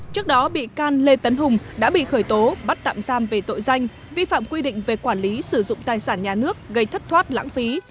trước đó bị can lê tấn hùng đã bị khởi tố bắt tạm giam về tội danh vi phạm quy định về quản lý sử dụng tài sản nhà nước gây thất thoát lãng phí